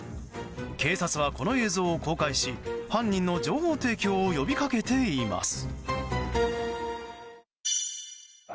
警察はこの映像を公開し犯人の情報提供を呼びかけています。